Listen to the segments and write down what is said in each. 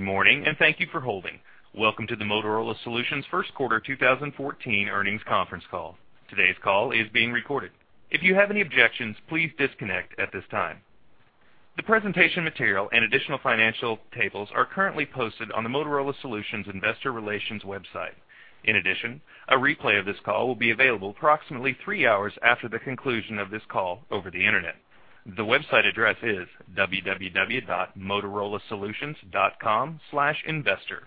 Good morning, and thank you for holding. Welcome to the Motorola Solutions first quarter 2014 earnings conference call. Today's call is being recorded. If you have any objections, please disconnect at this time. The presentation material and additional financial tables are currently posted on the Motorola Solutions investor relations website. In addition, a replay of this call will be available approximately 3 hours after the conclusion of this call over the Internet. The website address is www.motorolasolutions.com/investor.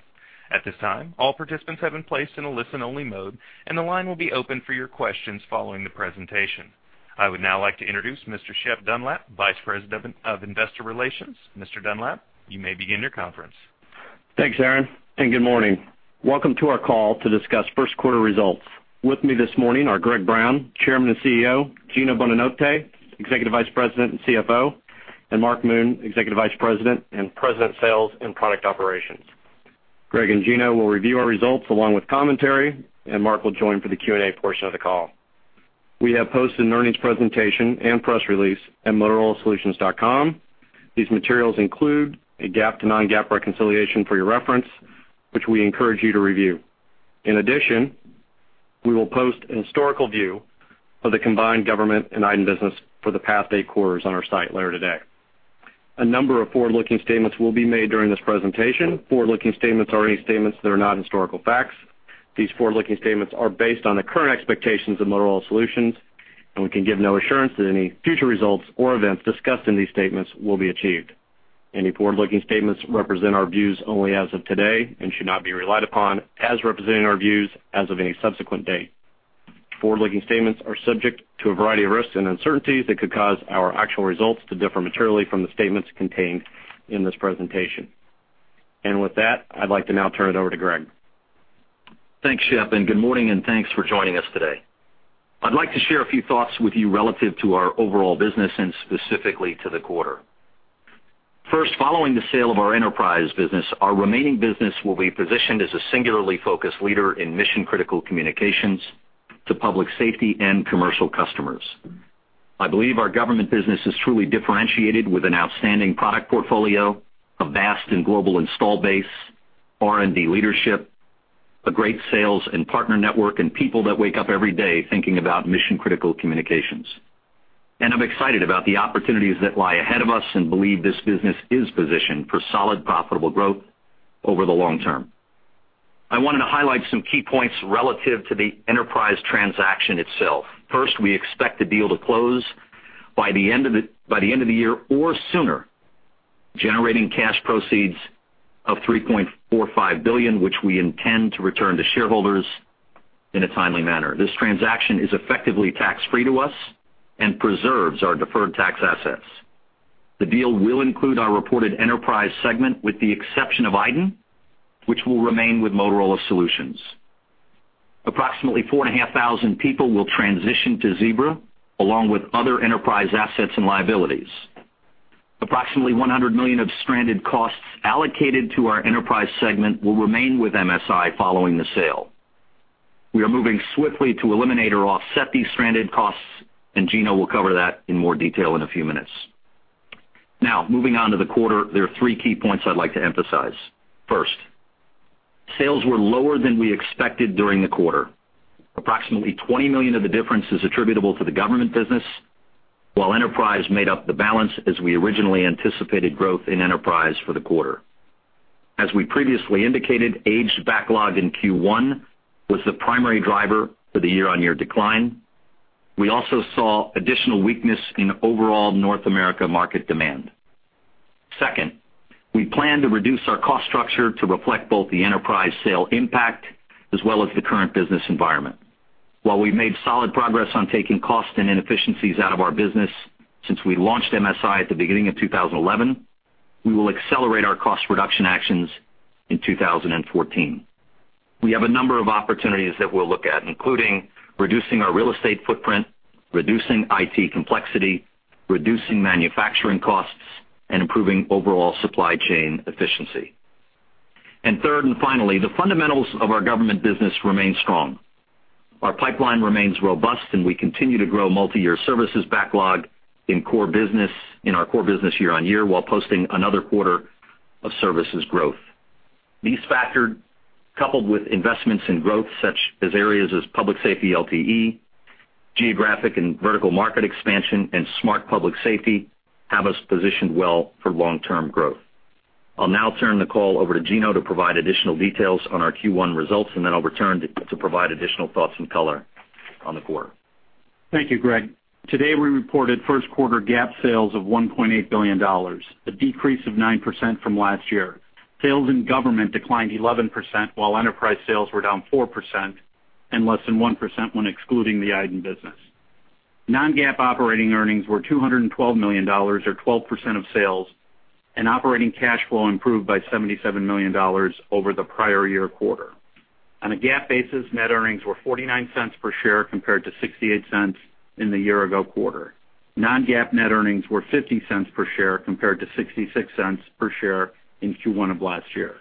At this time, all participants have been placed in a listen-only mode, and the line will be open for your questions following the presentation. I would now like to introduce Mr. Shep Dunlap, Vice President of Investor Relations. Mr. Dunlap, you may begin your conference. Thanks, Aaron, and good morning. Welcome to our call to discuss first quarter results. With me this morning are Greg Brown, Chairman and CEO, Gino Bonanotte, Executive Vice President and CFO, and Mark Moon, Executive Vice President and President, Sales and Product Operations. Greg and Gino will review our results along with commentary, and Mark will join for the Q&A portion of the call. We have posted an earnings presentation and press release at motorolasolutions.com. These materials include a GAAP to non-GAAP reconciliation for your reference, which we encourage you to review. In addition, we will post a historical view of the combined Government and iDEN business for the past eight quarters on our site later today. A number of forward-looking statements will be made during this presentation. Forward-looking statements are any statements that are not historical facts. These forward-looking statements are based on the current expectations of Motorola Solutions, and we can give no assurance that any future results or events discussed in these statements will be achieved. Any forward-looking statements represent our views only as of today and should not be relied upon as representing our views as of any subsequent date. Forward-looking statements are subject to a variety of risks and uncertainties that could cause our actual results to differ materially from the statements contained in this presentation. With that, I'd like to now turn it over to Greg. Thanks, Shep, and good morning, and thanks for joining us today. I'd like to share a few thoughts with you relative to our overall business and specifically to the quarter. First, following the sale of our Enterprise business, our remaining business will be positioned as a singularly focused leader in mission-critical communications to Public Safety and Commercial Customers. I believe our Government business is truly differentiated with an outstanding product portfolio, a vast and global install base, R&D leadership, a great sales and partner network, and people that wake up every day thinking about mission-critical communications. And I'm excited about the opportunities that lie ahead of us and believe this business is positioned for solid, profitable growth over the long term. I wanted to highlight some key points relative to the Enterprise transaction itself. First, we expect the deal to close by the end of the year or sooner, generating cash proceeds of $3.45 billion, which we intend to return to shareholders in a timely manner. This transaction is effectively tax-free to us and preserves our deferred tax assets. The deal will include our reported Enterprise segment, with the exception of iDEN, which will remain with Motorola Solutions. Approximately 4,500 people will transition to Zebra, along with other Enterprise assets and liabilities. Approximately $100 million of stranded costs allocated to our Enterprise segment will remain with MSI following the sale. We are moving swiftly to eliminate or offset these stranded costs, and Gino will cover that in more detail in a few minutes. Now, moving on to the quarter, there are three key points I'd like to emphasize. First, sales were lower than we expected during the quarter. Approximately $20 million of the difference is attributable to the Government business, while Enterprise made up the balance as we originally anticipated growth in Enterprise for the quarter. As we previously indicated, aged backlog in Q1 was the primary driver for the year-on-year decline. We also saw additional weakness in overall North America market demand. Second, we plan to reduce our cost structure to reflect both the Enterprise sale impact as well as the current business environment. While we've made solid progress on taking costs and inefficiencies out of our business since we launched MSI at the beginning of 2011, we will accelerate our cost reduction actions in 2014. We have a number of opportunities that we'll look at, including reducing our real estate footprint, reducing IT complexity, reducing manufacturing costs, and improving overall supply chain efficiency. And third, and finally, the fundamentals of our Government business remain strong. Our pipeline remains robust, and we continue to grow multiyear services backlog in our core business year on year, while posting another quarter of services growth. These factors, coupled with investments in growth, such as areas as Public Safety, LTE, Geographic and Vertical Market Expansion, and Smart Public Safety, have us positioned well for long-term growth. I'll now turn the call over to Gino to provide additional details on our Q1 results, and then I'll return to provide additional thoughts and color on the quarter. Thank you, Greg. Today, we reported first quarter GAAP sales of $1.8 billion, a decrease of 9% from last year. Sales in Government declined 11%, while Enterprise sales were down 4% and less than 1% when excluding the iDEN business. Non-GAAP operating earnings were $212 million, or 12% of sales, and operating cash flow improved by $77 million over the prior year quarter. On a GAAP basis, net earnings were $0.49 per share, compared to $0.68 in the year-ago quarter. Non-GAAP net earnings were $0.50 per share, compared to $0.66 per share in Q1 of last year.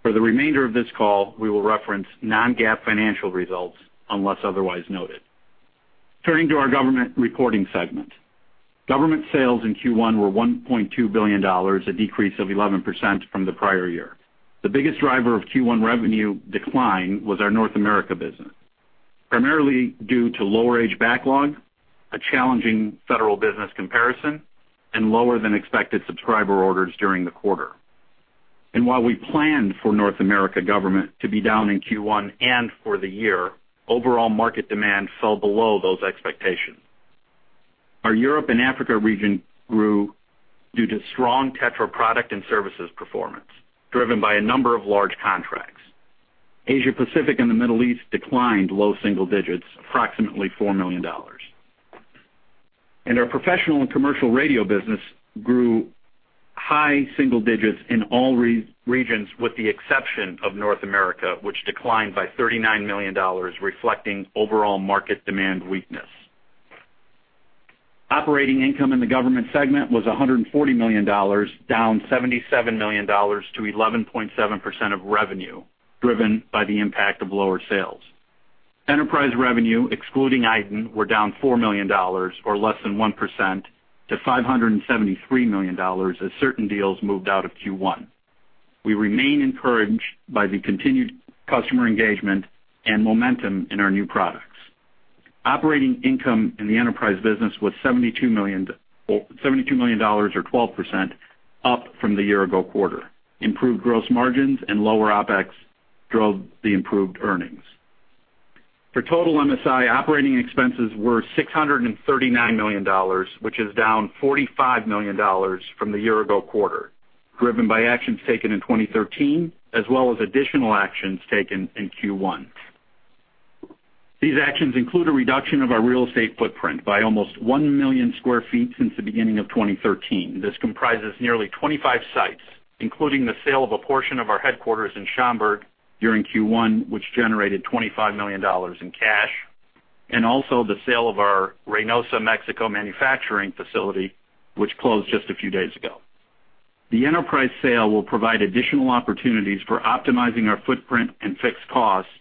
For the remainder of this call, we will reference non-GAAP financial results unless otherwise noted. Turning to our Government reporting segment. Government sales in Q1 were $1.2 billion, a decrease of 11% from the prior year. The biggest driver of Q1 revenue decline was our North America business, primarily due to lower aged backlog, a challenging federal business comparison, and lower than expected subscriber orders during the quarter. While we planned for North America Government to be down in Q1 and for the year, overall market demand fell below those expectations. Our Europe and Africa region grew due to strong TETRA product and services performance, driven by a number of large contracts. Asia Pacific and the Middle East declined low single digits, approximately $4 million. Our professional and commercial radio business grew high single digits in all regions, with the exception of North America, which declined by $39 million, reflecting overall market demand weakness. Operating income in the Government segment was $140 million, down $77 million to 11.7% of revenue, driven by the impact of lower sales. Enterprise revenue, excluding iDEN, were down $4 million or less than 1% to $573 million, as certain deals moved out of Q1. We remain encouraged by the continued customer engagement and momentum in our new products. Operating income in the Enterprise business was $72 million, or $72 million, or 12% up from the year ago quarter. Improved gross margins and lower OpEx drove the improved earnings. For total MSI, operating expenses were $639 million, which is down $45 million from the year ago quarter, driven by actions taken in 2013, as well as additional actions taken in Q1. These actions include a reduction of our real estate footprint by almost 1 million sq ft since the beginning of 2013. This comprises nearly 25 sites, including the sale of a portion of our headquarters in Schaumburg during Q1, which generated $25 million in cash, and also the sale of our Reynosa, Mexico, manufacturing facility, which closed just a few days ago. The Enterprise sale will provide additional opportunities for optimizing our footprint and fixed costs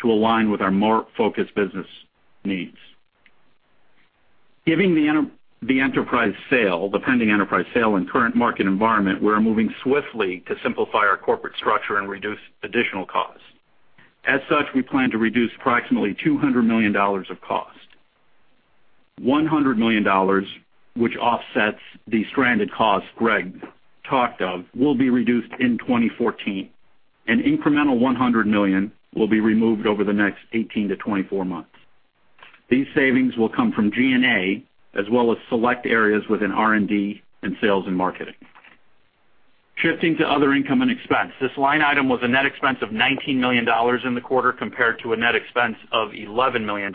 to align with our more focused business needs. Given the Enterprise sale, the pending Enterprise sale and current market environment, we're moving swiftly to simplify our corporate structure and reduce additional costs. As such, we plan to reduce approximately $200 million of cost. $100 million, which offsets the stranded costs Greg talked of, will be reduced in 2014, an incremental $100 million will be removed over the next 18-24 months. These savings will come from G&A, as well as select areas within R&D and sales and marketing. Shifting to other income and expense. This line item was a net expense of $19 million in the quarter, compared to a net expense of $11 million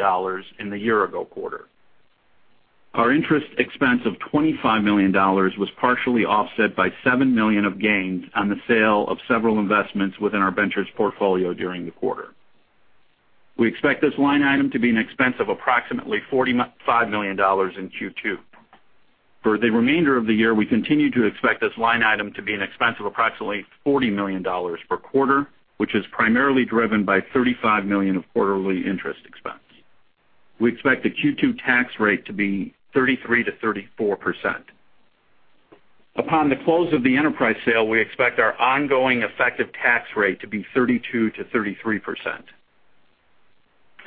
in the year ago quarter. Our interest expense of $25 million was partially offset by $7 million of gains on the sale of several investments within our ventures portfolio during the quarter. We expect this line item to be an expense of approximately $49.5 million in Q2. For the remainder of the year, we continue to expect this line item to be an expense of approximately $40 million per quarter, which is primarily driven by $35 million of quarterly interest expense. We expect the Q2 tax rate to be 33%-34%. Upon the close of the Enterprise sale, we expect our ongoing effective tax rate to be 32%-33%.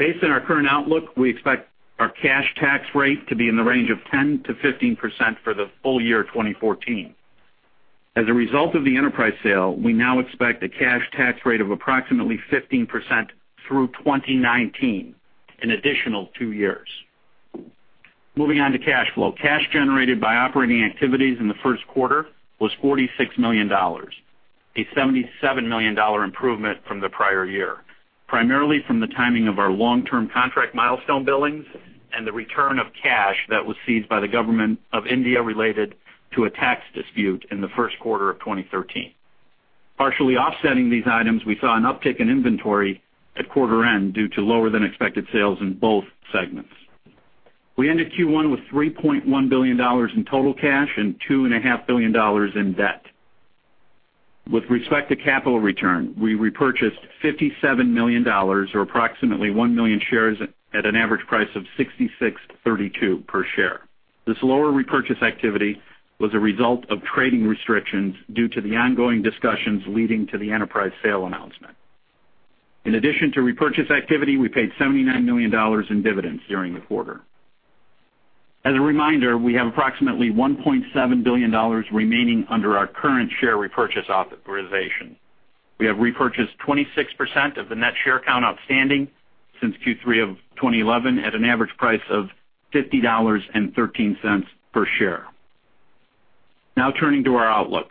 Based on our current outlook, we expect our cash tax rate to be in the range of 10%-15% for the full year 2014. As a result of the Enterprise sale, we now expect a cash tax rate of approximately 15% through 2019, an additional two years. Moving on to cash flow. Cash generated by operating activities in the first quarter was $46 million, a $77 million improvement from the prior year, primarily from the timing of our long-term contract milestone billings and the return of cash that was seized by the Government of India related to a tax dispute in the first quarter of 2013. Partially offsetting these items, we saw an uptick in inventory at quarter end due to lower-than-expected sales in both segments. We ended Q1 with $3.1 billion in total cash and $2.5 billion in debt. With respect to capital return, we repurchased $57 million, or approximately 1 million shares, at an average price of $66.32 per share. This lower repurchase activity was a result of trading restrictions due to the ongoing discussions leading to the Enterprise sale announcement. In addition to repurchase activity, we paid $79 million in dividends during the quarter. As a reminder, we have approximately $1.7 billion remaining under our current share repurchase authorization. We have repurchased 26% of the net share count outstanding since Q3 of 2011, at an average price of $50.13 per share. Now, turning to our outlook.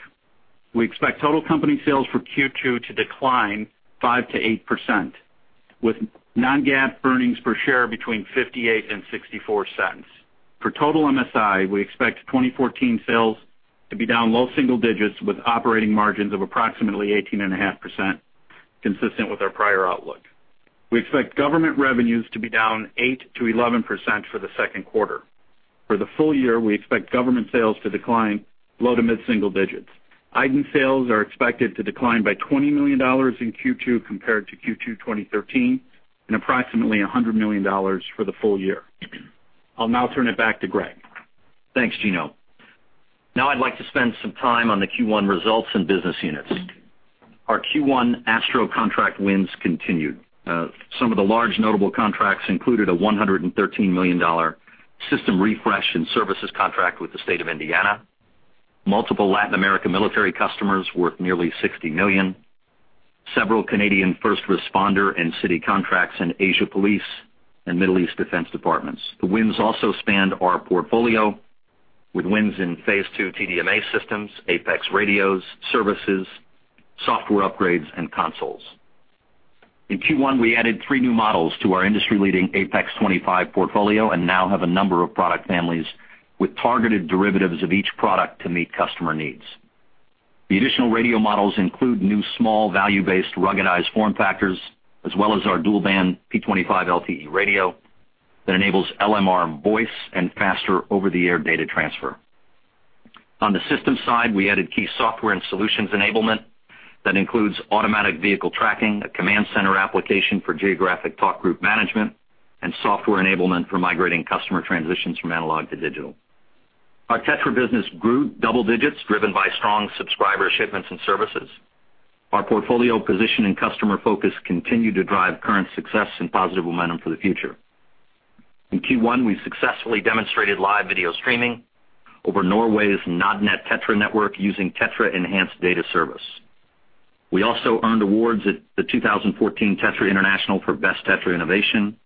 We expect total company sales for Q2 to decline 5%-8%, with non-GAAP earnings per share between $0.58 and $0.64. For total MSI, we expect 2014 sales to be down low single digits, with operating margins of approximately 18.5%, consistent with our prior outlook. We expect Government revenues to be down 8%-11% for the second quarter. For the full year, we expect Government sales to decline low to mid-single digits. iDEN sales are expected to decline by $20 million in Q2 compared to Q2 2013, and approximately $100 million for the full year. I'll now turn it back to Greg. Thanks, Gino. Now I'd like to spend some time on the Q1 results and business units. Our Q1 ASTRO contract wins continued. Some of the large notable contracts included a $113 million system refresh and services contract with the state of Indiana, multiple Latin American military customers worth nearly $60 million, several Canadian first responder and city contracts in Asia police and Middle East defense departments. The wins also spanned our portfolio, with wins in phase II TDMA systems, APX radios, services, software upgrades, and consoles. In Q1, we added three new models to our industry-leading APX P25 portfolio and now have a number of product families with targeted derivatives of each product to meet customer needs. The additional radio models include new small, value-based, ruggedized form factors, as well as our dual-band P25 LTE radio that enables LMR voice and faster over-the-air data transfer. On the system side, we added key software and solutions enablement that includes automatic vehicle tracking, a command center application for geographic talk group management, and software enablement for migrating customer transitions from analog to digital. Our TETRA business grew double digits, driven by strong subscriber shipments and services. Our portfolio position and customer focus continue to drive current success and positive momentum for the future. In Q1, we successfully demonstrated live video streaming over Norway's Nødnett TETRA network using TETRA Enhanced Data Service. We also earned awards at the 2014 TETRA International for Best TETRA Innovation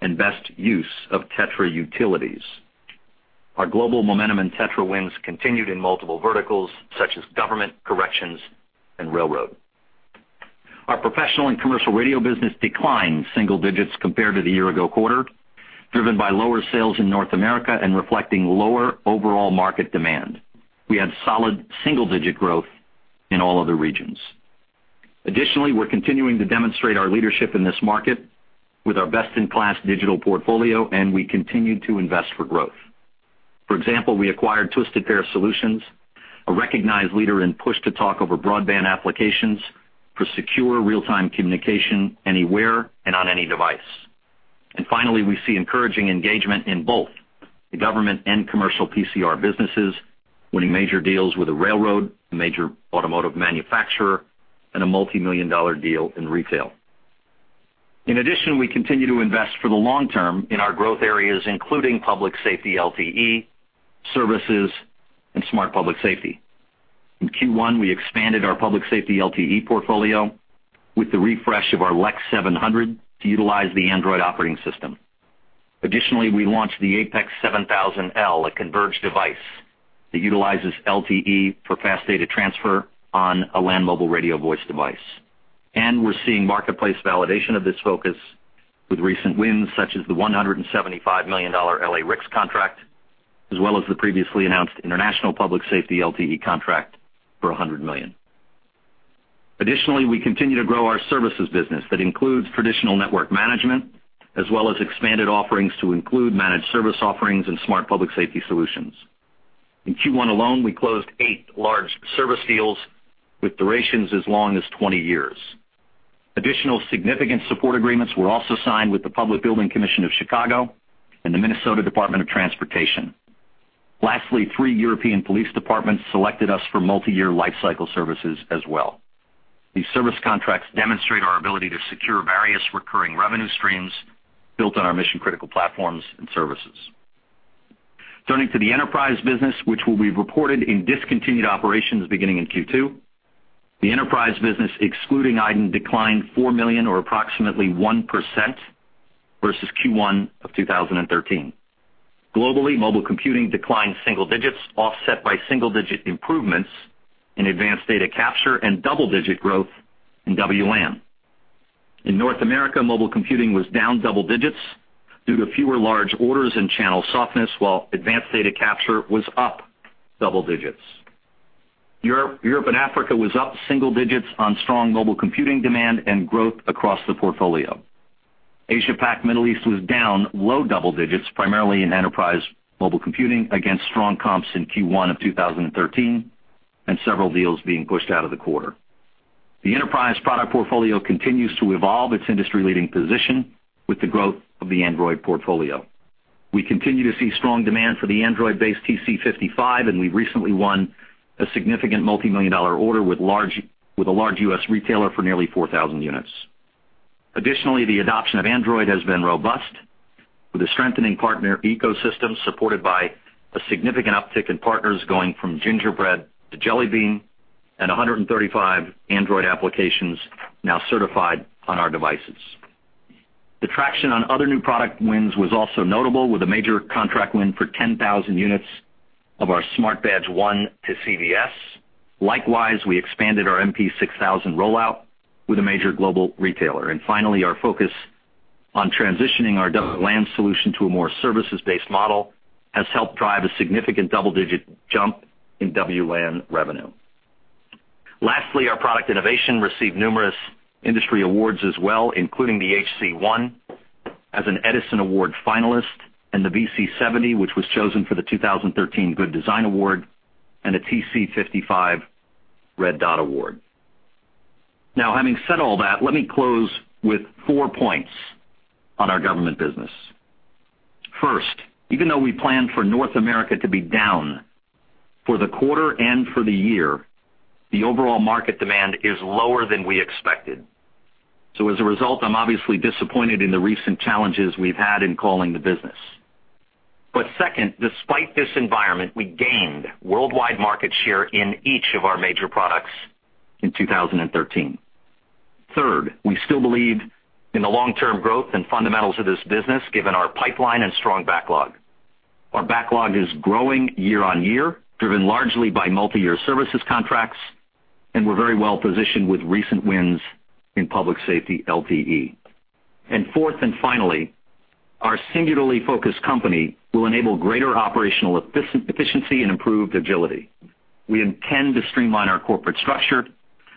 and Best Use of TETRA Utilities. Our global momentum and TETRA wins continued in multiple verticals, such as Government, Corrections, and Railroad. Our professional and commercial radio business declined single digits compared to the year-ago quarter, driven by lower sales in North America and reflecting lower overall market demand. We had solid single-digit growth in all other regions. Additionally, we're continuing to demonstrate our leadership in this market with our best-in-class digital portfolio, and we continue to invest for growth. For example, we acquired Twisted Pair Solutions, a recognized leader in push-to-talk over broadband applications for secure real-time communication anywhere and on any device. And finally, we see encouraging engagement in both the Government and Commercial PCR businesses, winning major deals with a railroad, a major automotive manufacturer, and a multimillion-dollar deal in retail. In addition, we continue to invest for the long term in our growth areas, including Public Safety LTE, Services, and Smart Public Safety. In Q1, we expanded our Public Safety LTE portfolio with the refresh of our LEX 700 to utilize the Android operating system. Additionally, we launched the APX 7000L, a converged device that utilizes LTE for fast data transfer on a land mobile radio voice device. We're seeing marketplace validation of this focus with recent wins, such as the $175 million LA-RICS contract, as well as the previously announced international Public Safety LTE contract for $100 million. Additionally, we continue to grow our services business. That includes traditional network management, as well as expanded offerings to include managed service offerings and Smart Public Safety Solutions. In Q1 alone, we closed eight large service deals with durations as long as 20 years. Additional significant support agreements were also signed with the Public Building Commission of Chicago and the Minnesota Department of Transportation. Lastly, three European police departments selected us for multiyear life cycle services as well. These service contracts demonstrate our ability to secure various recurring revenue streams built on our mission-critical platforms and services. Turning to the Enterprise business, which will be reported in discontinued operations beginning in Q2. The Enterprise business, excluding iDEN, declined $4 million, or approximately 1%, versus Q1 of 2013. Globally, mobile computing declined single digits, offset by single-digit improvements in advanced data capture and double-digit growth in WLAN. In North America, mobile computing was down double-digits due to fewer large orders and channel softness, while advanced data capture was up double-digits. Europe and Africa was up single digits on strong mobile computing demand and growth across the portfolio. Asia Pac Middle East was down low double digits, primarily in Enterprise mobile computing, against strong comps in Q1 of 2013 and several deals being pushed out of the quarter. The Enterprise product portfolio continues to evolve its industry-leading position with the growth of the Android portfolio. We continue to see strong demand for the Android-based TC55, and we recently won a significant multi-million-dollar order with a large U.S. retailer for nearly 4,000 units. Additionally, the adoption of Android has been robust, with a strengthening partner ecosystem supported by a significant uptick in partners, going from Gingerbread to Jelly Bean, and 135 Android applications now certified on our devices. The traction on other new product wins was also notable, with a major contract win for 10,000 units of our SB1 Smart Badge to CVS. Likewise, we expanded our MP6000 rollout with a major global retailer. Finally, our focus on transitioning our WLAN solution to a more services-based model has helped drive a significant double-digit jump in WLAN revenue. Lastly, our product innovation received numerous industry awards as well, including the HC1 as an Edison Award finalist and the VC70, which was chosen for the 2013 Good Design Award and a TC55 Red Dot Award. Now, having said all that, let me close with four points on our Government business. First, even though we planned for North America to be down for the quarter and for the year, the overall market demand is lower than we expected. So as a result, I'm obviously disappointed in the recent challenges we've had in calling the business. But second, despite this environment, we gained worldwide market share in each of our major products in 2013. Third, we still believe in the long-term growth and fundamentals of this business, given our pipeline and strong backlog. Our backlog is growing year on year, driven largely by multiyear services contracts, and we're very well positioned with recent wins in Public safety LTE. And fourth, and finally, our singularly focused company will enable greater operational efficiency and improved agility. We intend to streamline our corporate structure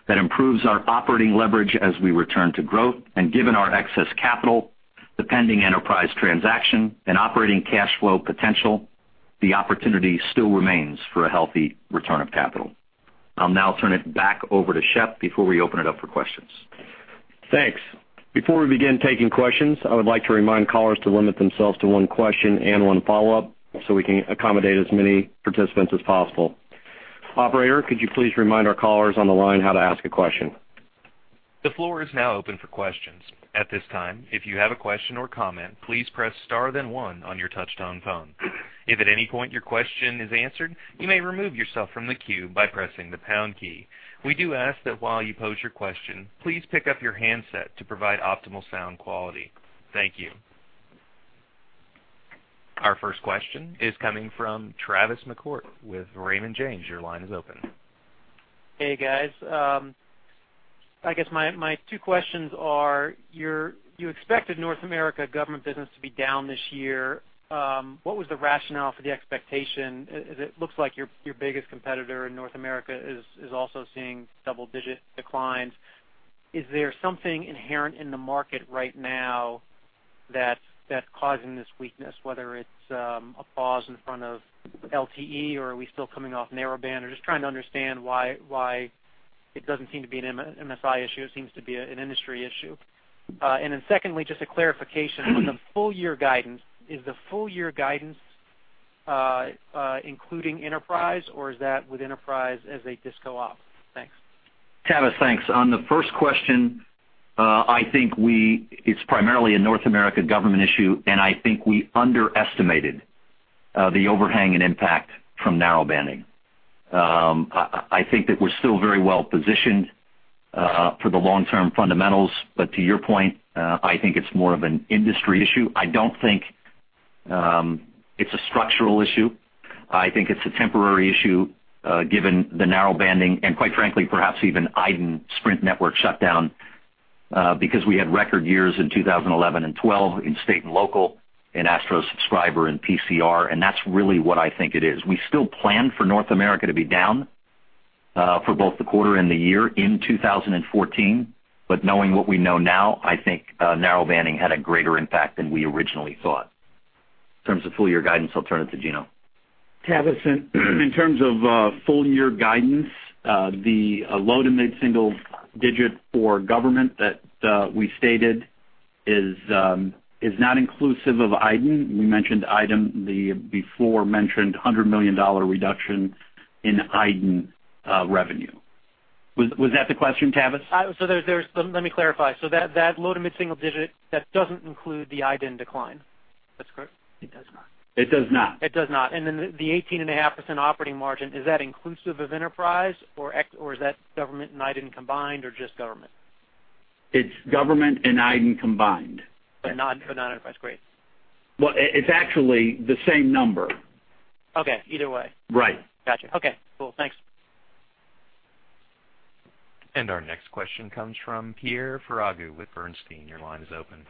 that improves our operating leverage as we return to growth. And given our excess capital, the pending Enterprise transaction and operating cash flow potential, the opportunity still remains for a healthy return of capital. I'll now turn it back over to Shep before we open it up for questions. Thanks. Before we begin taking questions, I would like to remind callers to limit themselves to one question and one follow-up, so we can accommodate as many participants as possible. Operator, could you please remind our callers on the line how to ask a question? The floor is now open for questions. At this time, if you have a question or comment, please press star, then one on your touchtone phone. If at any point your question is answered, you may remove yourself from the queue by pressing the pound key. We do ask that while you pose your question, please pick up your handset to provide optimal sound quality. Thank you. Our first question is coming from Tavis McCort with Raymond James. Your line is open. Hey, guys. I guess my two questions are: You expected North America Government business to be down this year. What was the rationale for the expectation? It looks like your biggest competitor in North America is also seeing double-digit declines. Is there something inherent in the market right now that's causing this weakness, whether it's a pause in front of LTE, or are we still coming off narrowband? I'm just trying to understand why it doesn't seem to be an MSI issue. It seems to be an industry issue. And then secondly, just a clarification. On the full year guidance, is the full year guidance including Enterprise, or is that with Enterprise as they discontinued operations? Thanks. Tavis, thanks. On the first question, I think we—it's primarily a North American Government issue, and I think we underestimated the overhang and impact from narrowbanding. I think that we're still very well positioned for the long-term fundamentals. But to your point, I think it's more of an industry issue. I don't think it's a structural issue. I think it's a temporary issue, given the narrowbanding and, quite frankly, perhaps even iDEN Sprint network shutdown, because we had record years in 2011 and 2012 in state and local, in ASTRO Subscriber and PCR, and that's really what I think it is. We still plan for North America to be down for both the quarter and the year in 2014, but knowing what we know now, I think narrowbanding had a greater impact than we originally thought. In terms of full year guidance, I'll turn it to Gino. Tavis, in terms of full year guidance, the low- to mid-single-digit for Government that we stated is is not inclusive of iDEN. We mentioned iDEN, the before-mentioned $100 million reduction in iDEN revenue. Was that the question, Tavis? Let me clarify. So that low to mid-single digit, that doesn't include the iDEN decline. That's correct? It does not. It does not. And then the 18.5% operating margin, is that inclusive of Enterprise, or ex- or is that Government and iDEN combined, or just Government? It's Government and iDEN combined. But not Enterprise. Great. Well, it's actually the same number. Okay. Either way. Right. Gotcha. Okay, cool. Thanks. Our next question comes from Pierre Ferragu with Bernstein. Your line is open.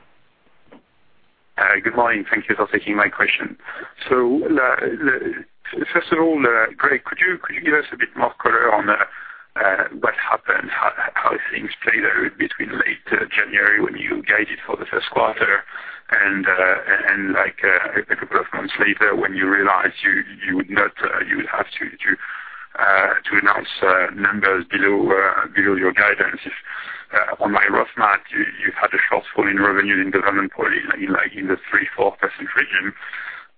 Hi, good morning. Thank you for taking my question. So first of all, Greg, could you give us a bit more color on what happened, how things played out between late January, when you guided for the first quarter, and a couple of months later, when you realized you would not, you would have to announce numbers below your guidance? On my rough math, you had a shortfall in revenue in Government probably in, like, the 3%-4% region.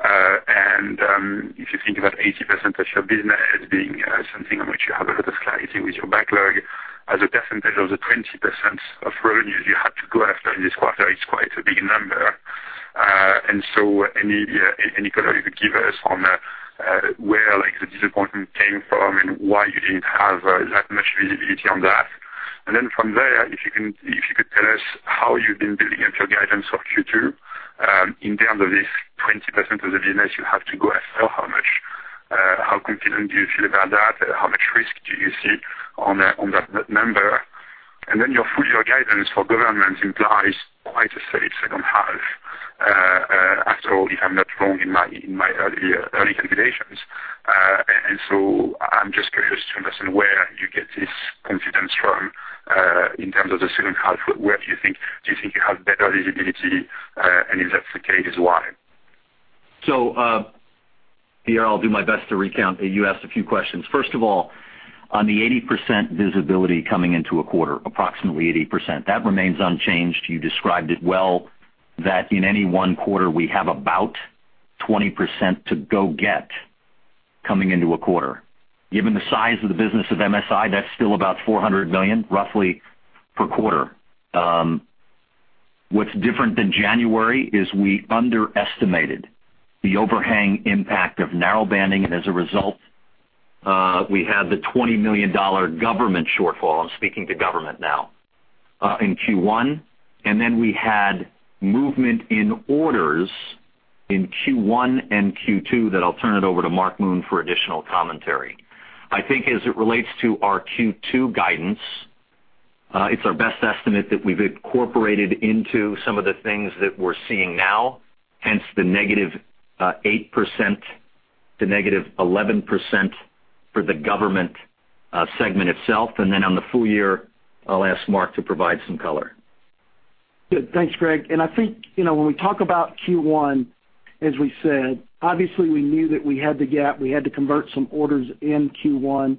And if you think about 80% of your business being something on which you have a lot of clarity with your backlog, as a percentage of the 20% of revenues you had to go after in this quarter, it's quite a big number. And so any, any color you could give us on, where, like, the disappointment came from and why you didn't have, that much visibility on that? And then from there, if you can, if you could tell us how you've been building up your guidance for Q2, in terms of this 20% of the business you have to go after, how much, how confident do you feel about that? How much risk do you see on that, on that, that number? And then your full year guidance for Government implies quite a safe second half, after all, if I'm not wrong in my, in my early, early calculations. I'm just curious to understand where you get this confidence from, in terms of the second half, where do you think, do you think you have better visibility? And if that's the case, why? So, Pierre, I'll do my best to recount. You asked a few questions. First of all, on the 80% visibility coming into a quarter, approximately 80%, that remains unchanged. You described it well, that in any one quarter, we have about 20% to go get coming into a quarter. Given the size of the business of MSI, that's still about $400 million, roughly, per quarter. What's different than January is we underestimated the overhang impact of narrowbanding, and as a result, we had the $20 million Government shortfall. I'm speaking to Government now in Q1, and then we had movement in orders in Q1 and Q2, that I'll turn it over to Mark Moon for additional commentary. I think as it relates to our Q2 guidance, it's our best estimate that we've incorporated into some of the things that we're seeing now, hence the -8% to -11% for the Government segment itself. And then on the full year, I'll ask Mark to provide some color. Good. Thanks, Greg. And I think, you know, when we talk about Q1, as we said, obviously, we knew that we had the gap. We had to convert some orders in Q1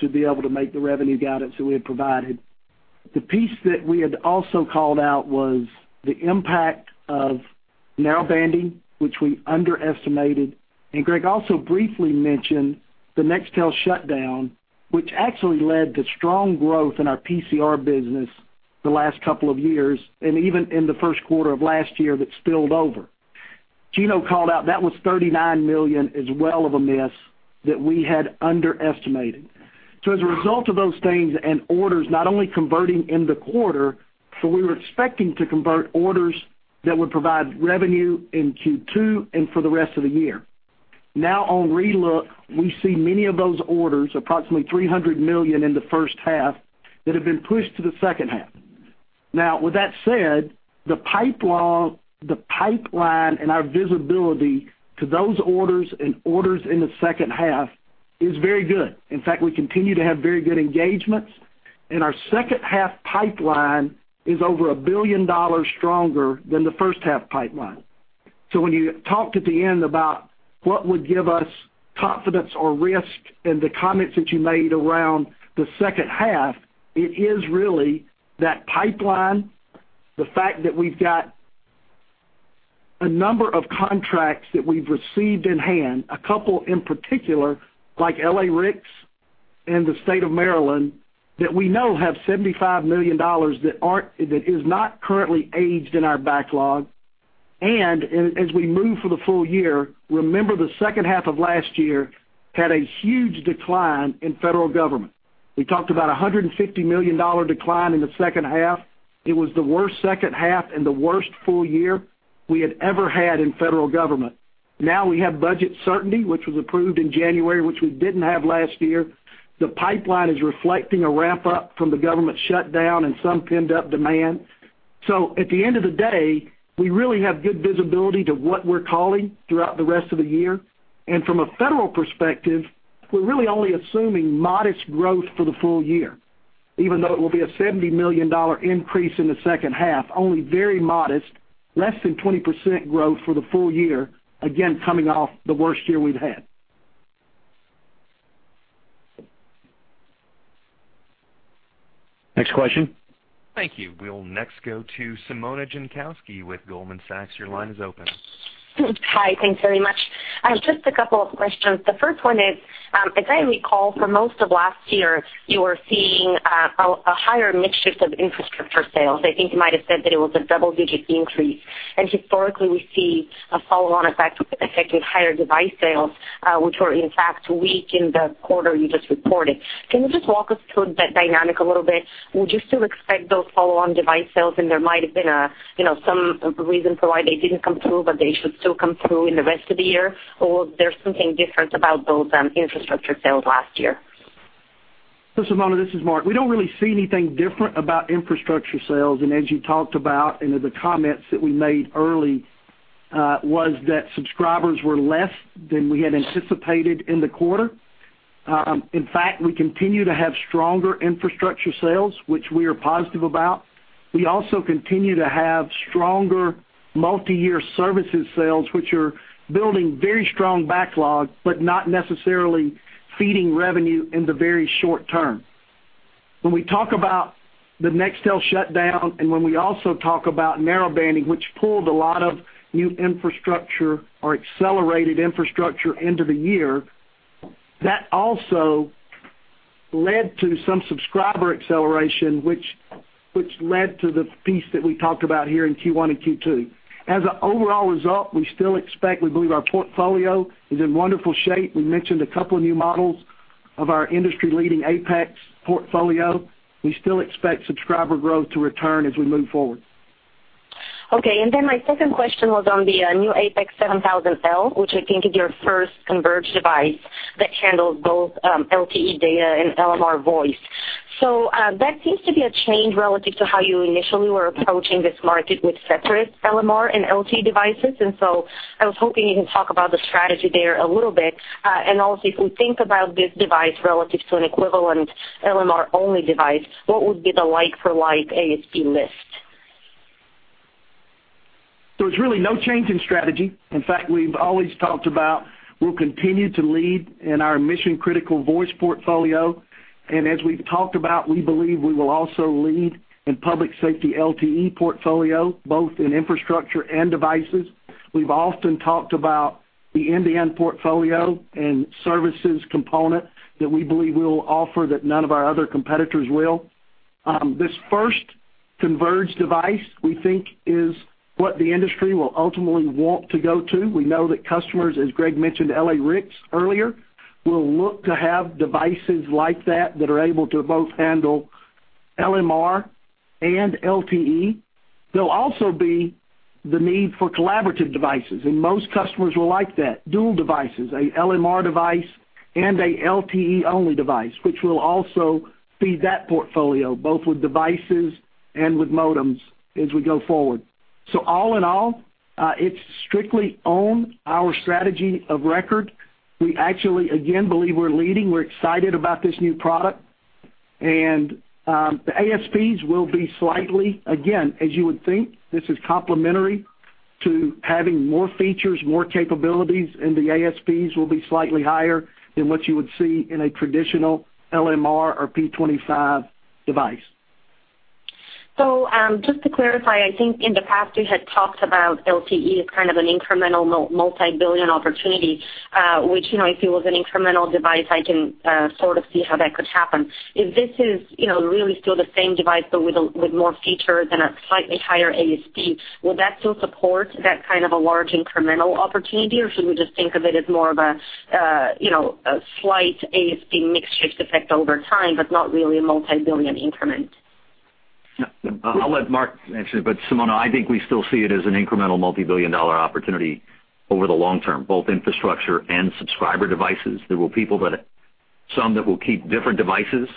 to be able to make the revenue guidance that we had provided. The piece that we had also called out was the impact of narrowbanding, which we underestimated, and Greg also briefly mentioned the Nextel shutdown, which actually led to strong growth in our PCR business the last couple of years, and even in the first quarter of last year, that spilled over. Gino called out, that was $39 million as well of a miss that we had underestimated. So as a result of those things and orders not only converting in the quarter, so we were expecting to convert orders that would provide revenue in Q2 and for the rest of the year. Now, on relook, we see many of those orders, approximately $300 million in the first half, that have been pushed to the second half. Now, with that said, the pipeline and our visibility to those orders and orders in the second half is very good. In fact, we continue to have very good engagements, and our second-half pipeline is over $1 billion stronger than the first-half pipeline. So when you talked at the end about what would give us confidence or risk and the comments that you made around the second half, it is really that pipeline, the fact that we've got a number of contracts that we've received in hand, a couple in particular, like LA-RICS and the state of Maryland, that we know have $75 million that aren't, that is not currently aged in our backlog. As we move forward for the full year, remember, the second half of last year had a huge decline in Federal Government. We talked about a $150 million decline in the second half. It was the worst second half and the worst full year we had ever had in Federal Government. Now, we have budget certainty, which was approved in January, which we didn't have last year. The pipeline is reflecting a ramp-up from the Government shutdown and some pent-up demand. So at the end of the day, we really have good visibility to what we're calling throughout the rest of the year, and from a federal perspective, we're really only assuming modest growth for the full year, even though it will be a $70 million increase in the second half, only very modest, less than 20% growth for the full year, again, coming off the worst year we've had. Next question. Thank you. We'll next go to Simona Jankowski with Goldman Sachs. Your line is open. Hi, thanks very much. I have just a couple of questions. The first one is, as I recall, for most of last year, you were seeing a higher mixture of infrastructure sales. I think you might have said that it was a double-digit increase, and historically, we see a follow-on effect with higher device sales, which were, in fact, weak in the quarter you just reported. Can you just walk us through that dynamic a little bit? Would you still expect those follow-on device sales, and there might have been, you know, some reason for why they didn't come through, but they should still come through in the rest of the year, or there's something different about those infrastructure sales last year? So, Simona, this is Mark. We don't really see anything different about infrastructure sales. And as you talked about in the comments that we made early, was that subscribers were less than we had anticipated in the quarter. In fact, we continue to have stronger infrastructure sales, which we are positive about. We also continue to have stronger multi-year services sales, which are building very strong backlog, but not necessarily feeding revenue in the very short term. When we talk about the Nextel shutdown, and when we also talk about narrowbanding, which pulled a lot of new infrastructure or accelerated infrastructure into the year, that also led to some subscriber acceleration, which led to the piece that we talked about here in Q1 and Q2. As an overall result, we still expect, we believe our portfolio is in wonderful shape. We mentioned a couple of new models of our industry-leading APX portfolio. We still expect subscriber growth to return as we move forward. Okay, and then my second question was on the new APX 7000L, which I think is your first converged device that handles both LTE data and LMR voice. So, that seems to be a change relative to how you initially were approaching this market with separate LMR and LTE devices. And so I was hoping you can talk about the strategy there a little bit. And also, if we think about this device relative to an equivalent LMR-only device, what would be the like-for-like ASP list? There's really no change in strategy. In fact, we've always talked about we'll continue to lead in our mission-critical voice portfolio, and as we've talked about, we believe we will also lead in Public Safety LTE portfolio, both in infrastructure and devices. We've often talked about the end-to-end portfolio and services component that we believe we'll offer that none of our other competitors will. This first converged device, we think, is what the industry will ultimately want to go to. We know that customers, as Greg mentioned, LA-RICS earlier, will look to have devices like that that are able to both handle LMR and LTE. There'll also be the need for collaborative devices, and most customers will like that, dual devices, a LMR device and a LTE-only device, which will also feed that portfolio, both with devices and with modems as we go forward. All in all, it's strictly on our strategy of record. We actually, again, believe we're leading. We're excited about this new product, and the ASPs will be slightly, again, as you would think, this is complementary to having more features, more capabilities, and the ASPs will be slightly higher than what you would see in a traditional LMR or P25 device. So, just to clarify, I think in the past, you had talked about LTE as kind of an incremental multi-billion opportunity, which, you know, if it was an incremental device, I can sort of see how that could happen. If this is, you know, really still the same device, but with more features and a slightly higher ASP, will that still support that kind of a large incremental opportunity, or should we just think of it as more of a, you know, a slight ASP mix shift effect over time, but not really a multi-billion increment? I'll let Mark answer, but Simona, I think we still see it as an incremental multi-billion dollar opportunity over the long term, both infrastructure and subscriber devices. There will people that, some that will keep different devices,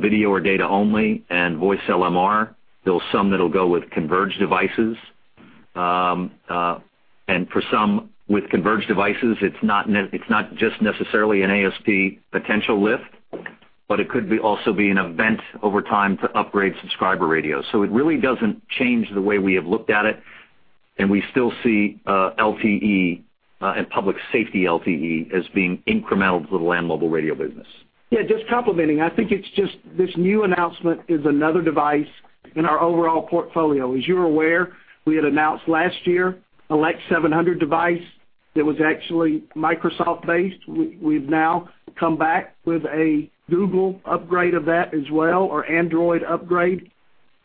video or data only, and voice LMR. There's some that'll go with converged devices. For some with converged devices, it's not just necessarily an ASP potential lift, but it could be, also be an event over time to upgrade subscriber radios. So it really doesn't change the way we have looked at it, and we still see, LTE, and Public Safety LTE as being incremental to the land mobile radio business. Yeah, just complementing. I think it's just this new announcement is another device in our overall portfolio. As you're aware, we had announced last year, LEX 700 device that was actually Microsoft-based. We've now come back with a Google upgrade of that as well, or Android upgrade.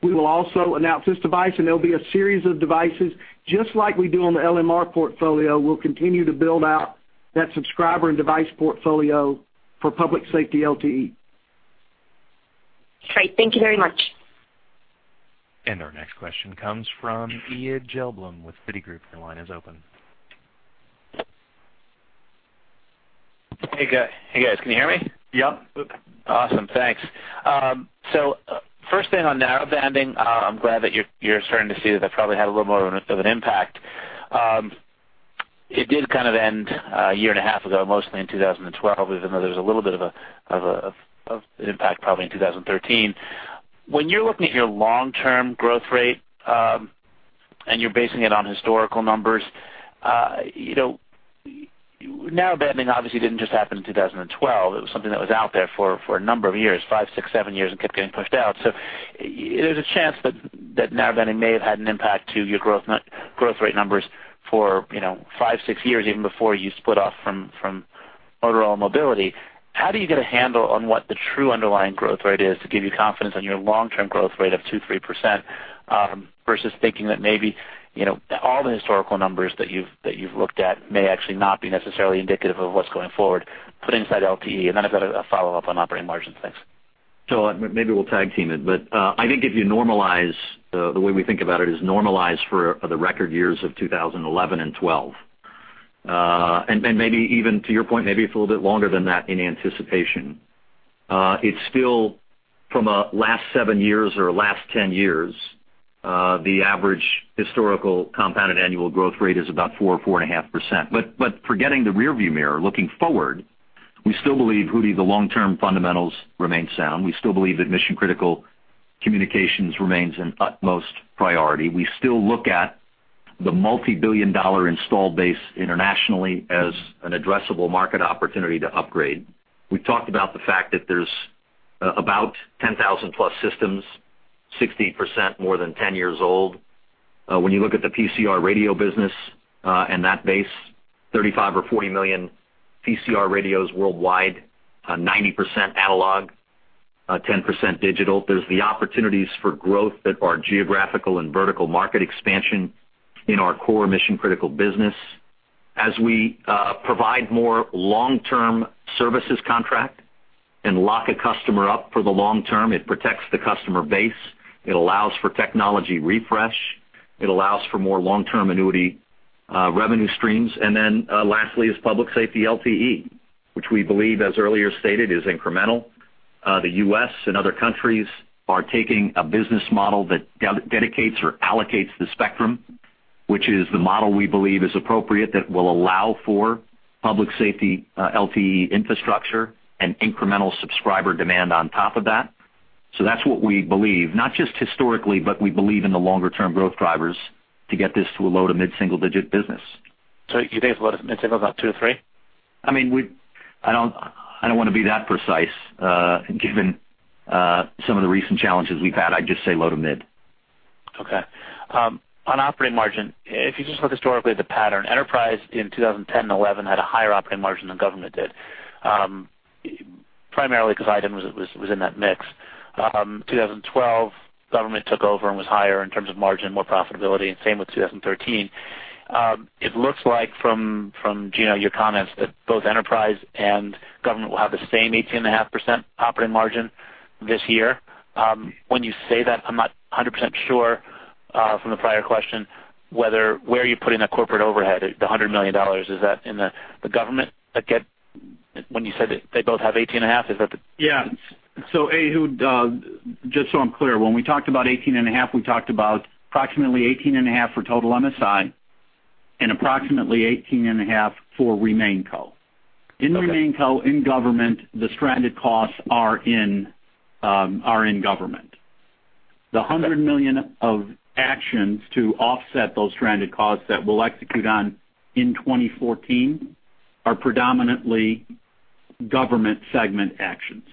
We will also announce this device, and there'll be a series of devices, just like we do on the LMR portfolio. We'll continue to build out that subscriber and device portfolio for Public Safety LTE. Great. Thank you very much. Our next question comes from Ehud Gelblum with Citigroup. Your line is open. Hey, guys, can you hear me? Yep. Awesome. Thanks. So first thing on narrowbanding, I'm glad that you're starting to see that that probably had a little more of an impact. It did kind of end a year and a half ago, mostly in 2012, even though there's a little bit of an impact, probably in 2013. When you're looking at your long-term growth rate, and you're basing it on historical numbers, you know, narrowbanding obviously didn't just happen in 2012. It was something that was out there for a number of years, 5, 6, 7 years, and kept getting pushed out. So there's a chance that narrowbanding may have had an impact to your growth rate numbers for, you know, 5, 6 years, even before you split off from overall mobility. How do you get a handle on what the true underlying growth rate is to give you confidence on your long-term growth rate of 2%-3%, versus thinking that maybe, you know, all the historical numbers that you've looked at may actually not be necessarily indicative of what's going forward, but inside LTE? And then I've got a follow-up on operating margins. Thanks. So maybe we'll tag team it, but I think if you normalize, the way we think about it is normalize for the record years of 2011 and 2012. And maybe even to your point, maybe it's a little bit longer than that in anticipation. It's still from a last 7 years or last 10 years, the average historical compounded annual growth rate is about 4, 4.5%. But forgetting the rearview mirror, looking forward, we still believe, Ehud, the long-term fundamentals remain sound. We still believe that Mission-Critical Communications remains an utmost priority. We still look at the multi-billion-dollar install base internationally as an addressable market opportunity to upgrade. We've talked about the fact that there's about 10,000+ systems, 60% more than 10 years old. When you look at the PCR radio business, and that base, 35 or 40 million PCR radios worldwide, 90% analog, 10% digital, there's the opportunities for growth that are geographical and vertical market expansion in our core mission-critical business. As we provide more long-term services contract and lock a customer up for the long term, it protects the customer base, it allows for technology refresh, it allows for more long-term annuity, revenue streams. And then, lastly, is Public Safety LTE, which we believe, as earlier stated, is incremental. The US and other countries are taking a business model that dedicates or allocates the spectrum, which is the model we believe is appropriate, that will allow for Public Safety, LTE infrastructure and incremental subscriber demand on top of that. That's what we believe, not just historically, but we believe in the longer-term growth drivers to get this to a low- to mid-single-digit business. You think it's low to mid-single, about 2 or 3? I mean, I don't, I don't want to be that precise, given some of the recent challenges we've had. I'd just say low to mid. Okay. On operating margin, if you just look historically at the pattern, Enterprise in 2010 and 2011 had a higher operating margin than Government did, primarily because iDEN was, was, was in that mix. 2012, Government took over and was higher in terms of margin, more profitability, and same with 2013. It looks like from, from, Gino, your comments, that both Enterprise and Government will have the same 18.5% operating margin this year. When you say that, I'm not 100% sure, from the prior question, whether where are you putting the corporate overhead, the $100 million, is that in the, the Government that get -- when you said that they both have 18.5%, is that the- Yeah. So, Ehud, just so I'm clear, when we talked about 18.5, we talked about approximately 18.5 for total MSI and approximately 18.5 for RemainCo. Okay. In RemainCo, in Government, the stranded costs are in, are in Government. The $100 million of actions to offset those stranded costs that we'll execute on in 2014 are predominantly Government segment actions.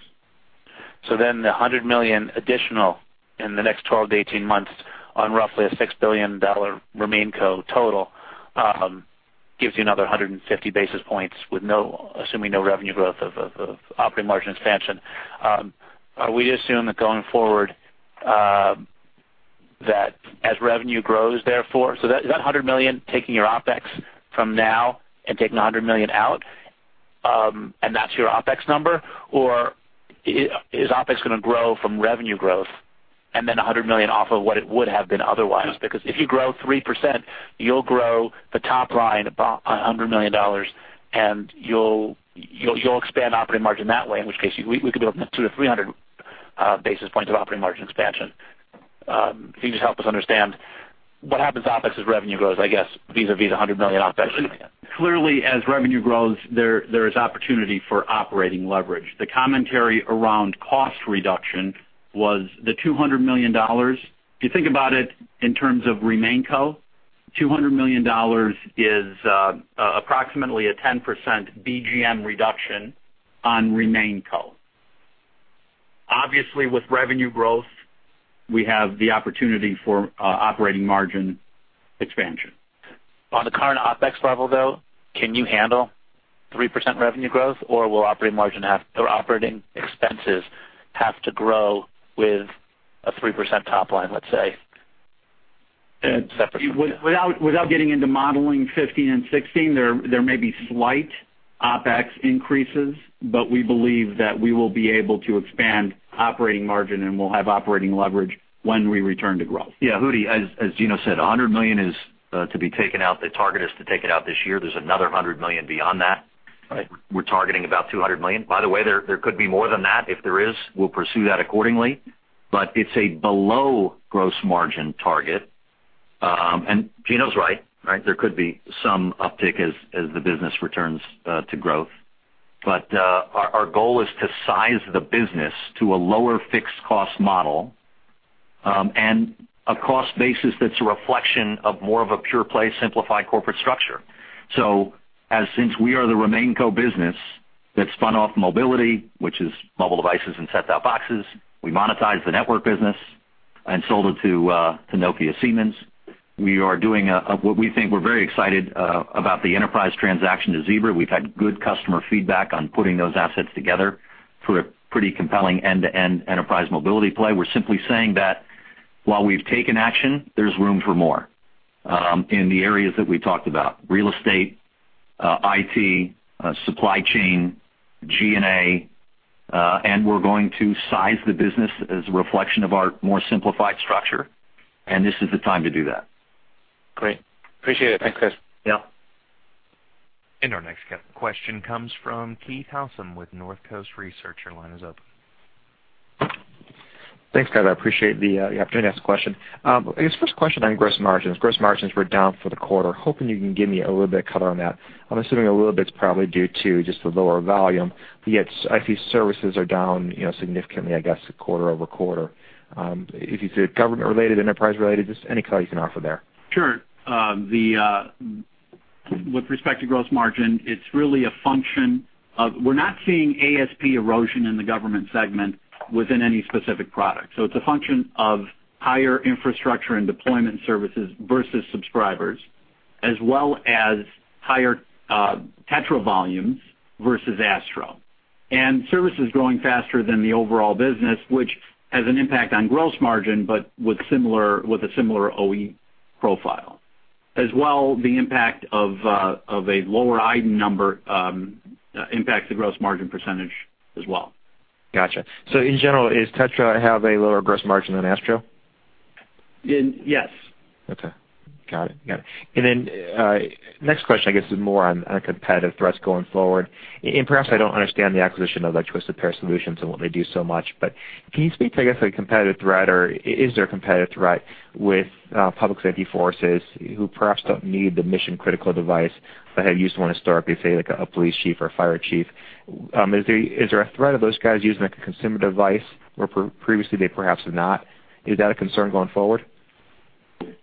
So then the $100 million additional in the next 12-18 months on roughly a $6 billion RemainCo total gives you another 150 basis points, assuming no revenue growth or operating margin expansion. Are we to assume that going forward that as revenue grows therefore so that is that $100 million taking your OpEx from now and taking a $100 million out and that's your OpEx number? Or is OpEx going to grow from revenue growth and then a $100 million off of what it would have been otherwise? Because if you grow 3% you'll grow the top line about a $100 million and you'll expand operating margin that way in which case we could be looking at 200-300 basis points of operating margin expansion. If you just help us understand what happens to OpEx as revenue grows, I guess, vis-a-vis the $100 million OpEx. Clearly, as revenue grows, there is opportunity for operating leverage. The commentary around cost reduction was the $200 million. If you think about it in terms of RemainCo, $200 million is approximately a 10% BGM reduction on RemainCo. Obviously, with revenue growth, we have the opportunity for operating margin expansion. On the current OpEx level, though, can you handle 3% revenue growth, or will operating margin have or operating expenses have to grow with a 3% top line, let's say, separately? Without getting into modeling 15 and 16, there may be slight OpEx increases, but we believe that we will be able to expand operating margin, and we'll have operating leverage when we return to growth. Yeah, Ehud, as Gino said, $100 million is to be taken out. The target is to take it out this year. There's another $100 million beyond that. Right. We're targeting about $200 million. By the way, there could be more than that. If there is, we'll pursue that accordingly, but it's a below-gross margin target. And Gino's right, right? There could be some uptick as the business returns to growth. But our goal is to size the business to a lower fixed cost model and a cost basis that's a reflection of more of a pure-play, simplified corporate structure. So since we are the RemainCo business that spun off mobility, which is mobile devices and set-top boxes, we monetized the network business and sold it to Nokia Siemens. We are doing what we think we're very excited about the Enterprise transaction to Zebra. We've had good customer feedback on putting those assets together for a pretty compelling end-to-end Enterprise mobility play. We're simply saying that while we've taken action, there's room for more, in the areas that we talked about: real estate, IT, supply chain, GNA, and we're going to size the business as a reflection of our more simplified structure, and this is the time to do that. Great. Appreciate it. Thanks, guys. Yeah. Our next question comes from Keith Housum with Northcoast Research. Your line is up. Thanks, guys. I appreciate the opportunity to ask a question. I guess first question on gross margins. Gross margins were down for the quarter. Hoping you can give me a little bit of color on that. I'm assuming a little bit is probably due to just the lower volume, yet I see services are down, you know, significantly, I guess, quarter-over-quarter. If you say Government-related, Enterprise-related, just any color you can offer there. Sure. With respect to gross margin, it's really a function of. We're not seeing ASP erosion in the Government segment within any specific product. So it's a function of higher infrastructure and deployment services versus subscribers, as well as higher TETRA volumes versus ASTRO. And service is growing faster than the overall business, which has an impact on gross margin, but with a similar OpEx profile. As well, the impact of a lower iDEN number impacts the gross margin percentage as well. Got you. In general, does Tetra have a lower gross margin than Astro? In, yes. Okay, got it. Got it. And then, next question, I guess, is more on, on competitive threats going forward. And perhaps I don't understand the acquisition of, like, Twisted Pair Solutions and what they do so much. But can you speak to, I guess, a competitive threat, or is there a competitive threat with, Public Safety forces who perhaps don't need the mission-critical device, but have used one historically, say, like a police chief or a fire chief? Is there a threat of those guys using, like, a consumer device where previously they perhaps have not? Is that a concern going forward?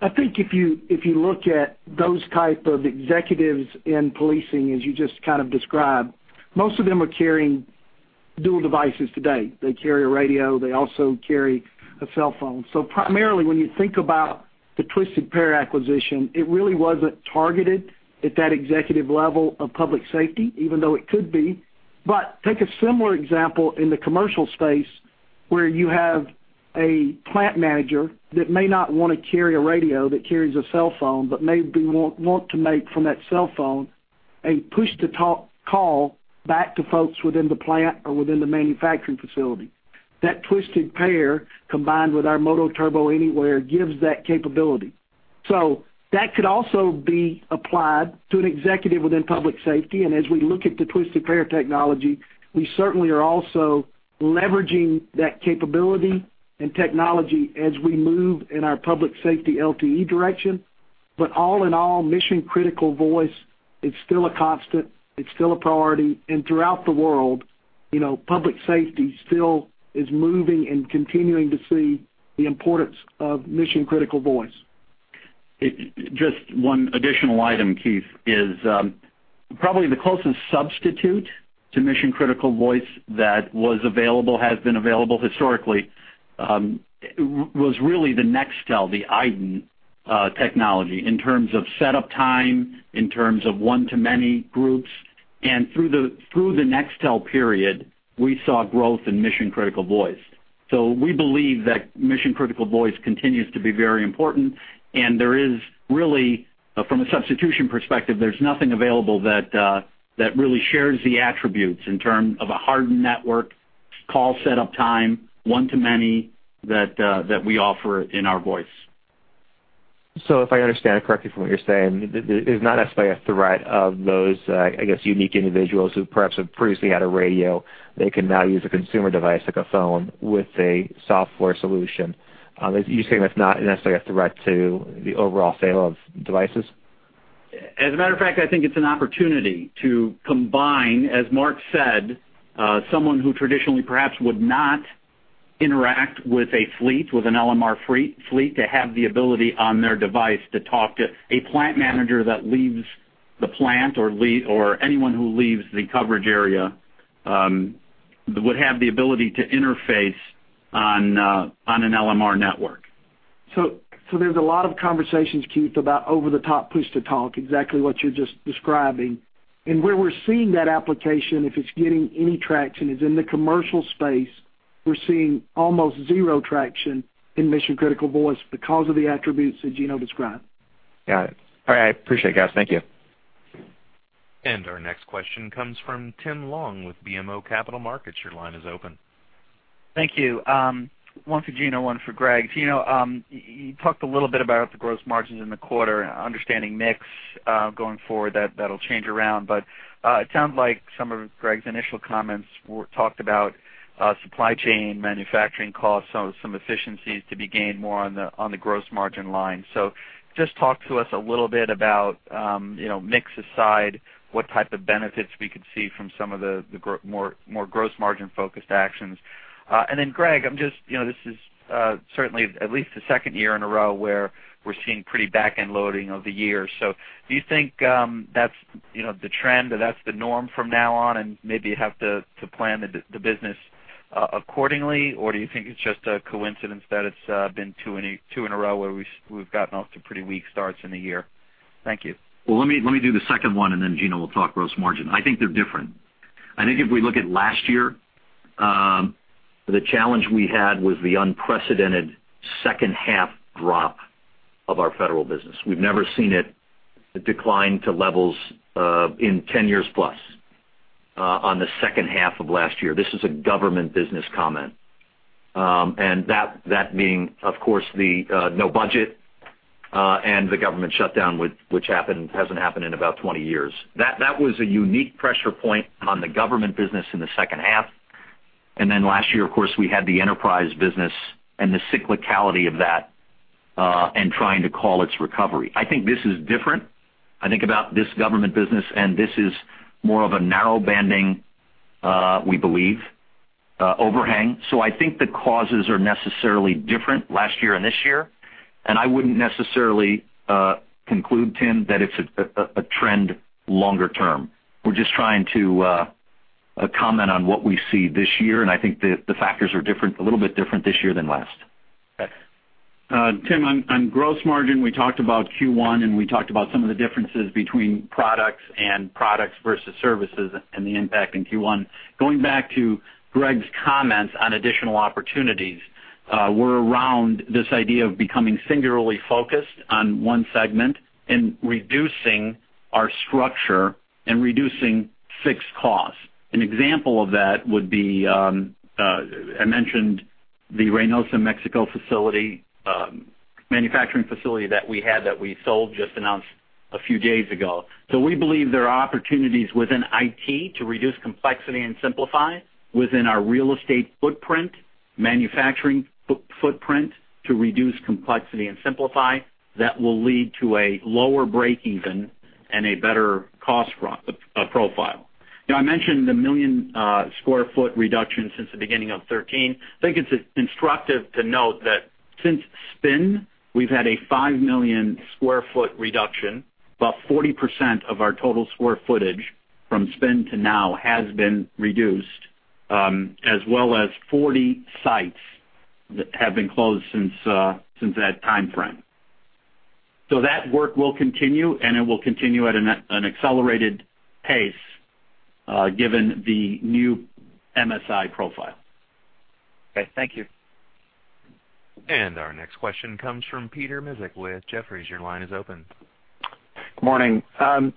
I think if you look at those type of executives in policing, as you just kind of described, most of them are carrying dual devices today. They carry a radio, they also carry a cell phone. So primarily, when you think about the Twisted Pair acquisition, it really wasn't targeted at that executive level of Public Safety, even though it could be. But take a similar example in the commercial space, where you have a plant manager that may not want to carry a radio, that carries a cell phone, but maybe want to make from that cell phone, a push-to-talk call back to folks within the plant or within the manufacturing facility. That Twisted Pair, combined with our MOTOTRBO Anywhere, gives that capability. So that could also be applied to an executive within Public Safety, and as we look at the Twisted Pair technology, we certainly are also leveraging that capability and technology as we move in our Public Safety LTE direction. But all in all, mission-critical voice, it's still a constant, it's still a priority. And throughout the world, you know, Public Safety still is moving and continuing to see the importance of mission-critical voice. Just one additional item, Keith, is probably the closest substitute to mission-critical voice that was available, has been available historically, was really the Nextel, the iDEN, technology, in terms of setup time, in terms of one-to-many groups. And through the Nextel period, we saw growth in mission-critical voice. So we believe that mission-critical voice continues to be very important, and there is really, from a substitution perspective, there's nothing available that that really shares the attributes in term of a hardened network, call set-up time, one-to-many, that that we offer in our voice. So if I understand it correctly from what you're saying, there is not necessarily a threat of those, I guess, unique individuals who perhaps have previously had a radio, they can now use a consumer device, like a phone, with a software solution. You're saying that's not necessarily a threat to the overall sale of devices? As a matter of fact, I think it's an opportunity to combine, as Mark said, someone who traditionally perhaps would not interact with a fleet, with an LMR free fleet, to have the ability on their device to talk to a plant manager that leaves the plant or anyone who leaves the coverage area, would have the ability to interface on an LMR network. So, there's a lot of conversations, Keith, about over-the-top push-to-talk, exactly what you're just describing. Where we're seeing that application, if it's getting any traction, is in the commercial space. We're seeing almost zero traction in mission-critical voice because of the attributes that Gino described. Got it. All right, I appreciate it, guys. Thank you. Our next question comes from Tim Long with BMO Capital Markets. Your line is open. Thank you. One for Gino, one for Greg. Gino, you talked a little bit about the gross margins in the quarter, understanding mix, going forward, that, that'll change around. But, it sounds like some of Greg's initial comments were talked about, supply chain, manufacturing costs, so some efficiencies to be gained more on the gross margin line. So just talk to us a little bit about, you know, mix aside, what type of benefits we could see from some of the more gross margin-focused actions. And then, Greg, I'm just, you know, this is certainly at least the second year in a row where we're seeing pretty back-end loading of the year. So do you think that's, you know, the trend, or that's the norm from now on, and maybe you have to plan the business accordingly? Or do you think it's just a coincidence that it's been two in a row where we've gotten off to pretty weak starts in the year? Thank you. Well, let me do the second one, and then Gino will talk gross margin. I think they're different. I think if we look at last year, the challenge we had was the unprecedented second half drop of our federal business. We've never seen it decline to levels in 10 years plus on the second half of last year. This is a Government business comment. And that being, of course, the no budget and the Government shutdown which happened, hasn't happened in about 20 years. That was a unique pressure point on the Government business in the second half. And then last year, of course, we had the Enterprise business and the cyclicality of that and trying to call its recovery. I think this is different. I think about this Government business, and this is more of a narrowbanding, we believe, overhang. So I think the causes are necessarily different last year and this year, and I wouldn't necessarily conclude, Tim, that it's a trend longer term. We're just trying to comment on what we see this year, and I think the factors are different, a little bit different this year than last. Tim, on gross margin, we talked about Q1, and we talked about some of the differences between products versus services and the impact in Q1. Going back to Greg's comments on additional opportunities, we're around this idea of becoming singularly focused on one segment and reducing our structure and reducing fixed costs. An example of that would be, I mentioned the Reynosa, Mexico, facility, manufacturing facility that we had that we sold, just announced a few days ago. So we believe there are opportunities within IT to reduce complexity and simplify within our real estate footprint, manufacturing footprint, to reduce complexity and simplify that will lead to a lower breakeven and a better cost profile. Now, I mentioned the 1 million sq ft reduction since the beginning of 2013. I think it's instructive to note that since spin, we've had a 5 million sq ft reduction. About 40% of our total square footage from spin to now has been reduced, as well as 40 sites that have been closed since that time frame. So that work will continue, and it will continue at an accelerated pace, given the new MSI profile. Okay, thank you. Our next question comes from Peter Misek with Jefferies. Your line is open. Good morning.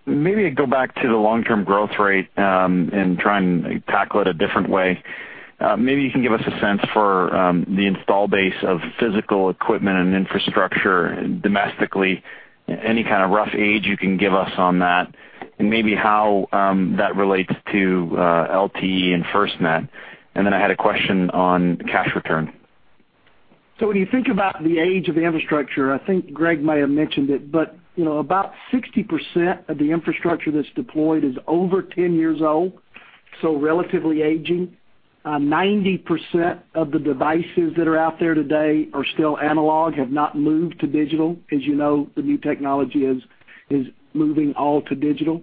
Maybe go back to the long-term growth rate, and try and tackle it a different way. Maybe you can give us a sense for, the install base of physical equipment and infrastructure domestically. Any kind of rough age you can give us on that, and maybe how, that relates to, LTE and FirstNet? And then I had a question on cash return. So when you think about the age of the infrastructure, I think Greg may have mentioned it, but, you know, about 60% of the infrastructure that's deployed is over 10 years old, so relatively aging. Ninety percent of the devices that are out there today are still analog, have not moved to digital. As you know, the new technology is, is moving all to digital.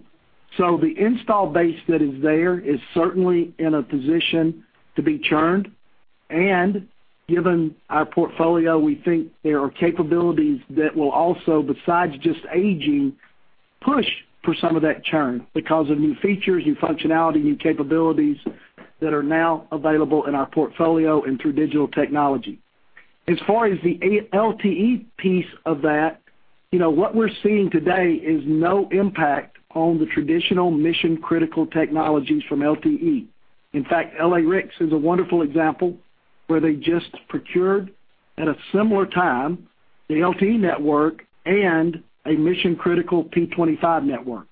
So the installed base that is there is certainly in a position to be churned, and given our portfolio, we think there are capabilities that will also, besides just aging, push for some of that churn because of new features, new functionality, new capabilities that are now available in our portfolio and through digital technology. As far as the LTE piece of that, you know, what we're seeing today is no impact on the traditional mission-critical technologies from LTE. In fact, LA-RICS is a wonderful example where they just procured, at a similar time, the LTE network and a mission-critical P25 network.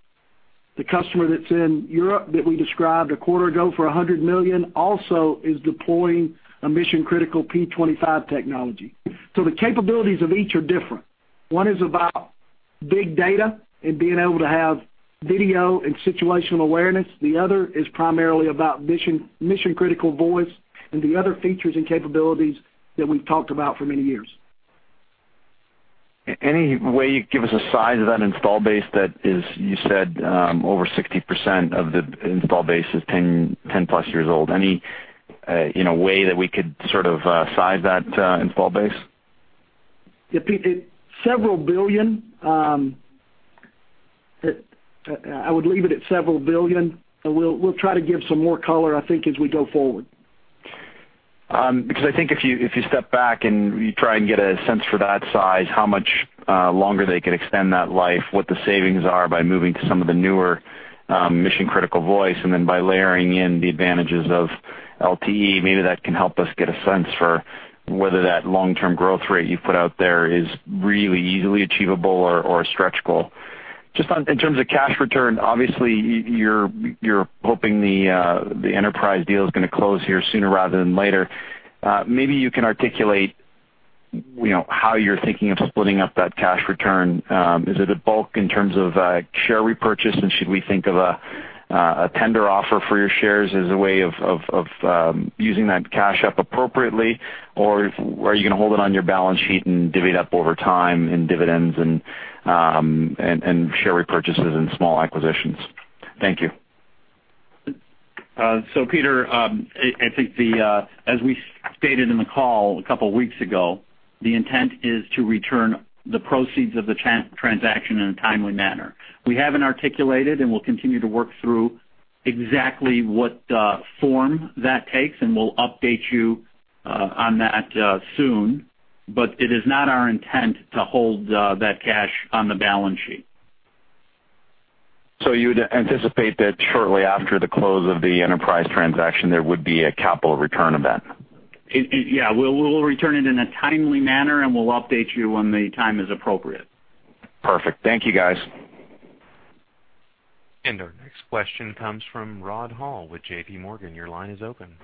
The customer that's in Europe that we described a quarter ago for $100 million, also is deploying a mission-critical P25 technology. So the capabilities of each are different. One is about big data and being able to have video and situational awareness. The other is primarily about mission, mission-critical voice and the other features and capabilities that we've talked about for many years. Any way you can give us a size of that installed base, that is, you said, over 60% of the installed base is 10, 10+ years old. Any, you know, way that we could sort of, size that, installed base? Yeah, Peter, it's several billion. I would leave it at several billion, and we'll try to give some more color, I think, as we go forward. Because I think if you, if you step back and you try and get a sense for that size, how much longer they could extend that life, what the savings are by moving to some of the newer mission-critical voice, and then by layering in the advantages of LTE, maybe that can help us get a sense for whether that long-term growth rate you put out there is really easily achievable or, or a stretch goal. Just on, in terms of cash return, obviously, you're, you're hoping the Enterprise deal is gonna close here sooner rather than later. Maybe you can articulate, you know, how you're thinking of splitting up that cash return. Is it a bulk in terms of share repurchase, and should we think of a tender offer for your shares as a way of using that cash up appropriately? Or are you gonna hold it on your balance sheet and divvy it up over time in dividends and share repurchases and small acquisitions? Thank you. So Peter, I think as we stated in the call a couple of weeks ago, the intent is to return the proceeds of the transaction in a timely manner. We haven't articulated, and we'll continue to work through exactly what form that takes, and we'll update you on that soon. But it is not our intent to hold that cash on the balance sheet. So you'd anticipate that shortly after the close of the Enterprise transaction, there would be a capital return event? Yeah, we'll return it in a timely manner, and we'll update you when the time is appropriate. Perfect. Thank you, guys. Our next question comes from Rod Hall with JPMorgan. Your line is open.